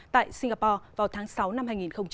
tại singapore vào tháng sáu năm hai nghìn một mươi chín